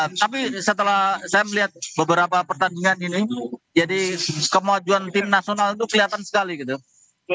jadi tapi setelah saya melihat beberapa pertandingan ini jadi kemajuan tim nasional itu kelihatan sekali gitu